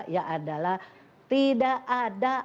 ya adalah tidak ada